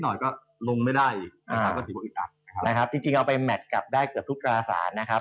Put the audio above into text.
หน่อยก็ลงไม่ได้อีกนะครับนะครับจริงจริงเอาไปแมตกับได้เกือบทุกการาศาสตร์นะครับ